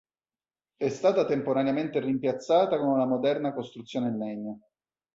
È stata temporaneamente rimpiazzata con una moderna costruzione in legno.